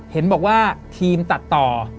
เห็นบอกว่าทีมตัดต่อ